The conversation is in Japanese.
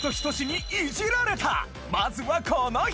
まずはこの人！